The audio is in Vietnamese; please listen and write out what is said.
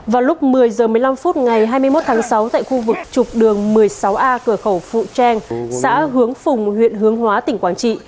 vào lúc một mươi h một mươi năm phút ngày hai mươi một tháng sáu tại khu vực trục đường một mươi sáu a cửa khẩu phụ trang xã hướng phùng huyện hướng hóa tỉnh quảng trị